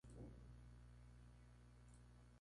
El primitivo núcleo urbano de Calpe fue amurallado.